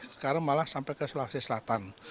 sekarang malah sampai ke sulawesi selatan